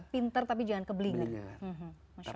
pinter tapi jangan keblinger